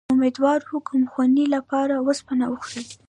د امیدوارۍ د کمخونی لپاره اوسپنه وخورئ